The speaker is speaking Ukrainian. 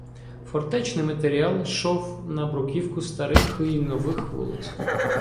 Фортечний матеріал йшов на бруківку старих й нових вулиць.